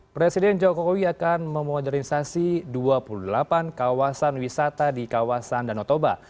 presiden jokowi akan memodernisasi dua puluh delapan kawasan wisata di kawasan danau toba